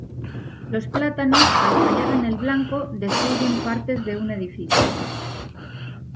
Los plátanos, al fallar en el blanco, destruyen partes de un edificio.